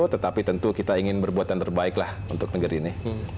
tetapi tentu kita ingin berbuat yang terbaik lah untuk negeri ini